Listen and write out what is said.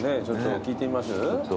ちょっと聞いてみます？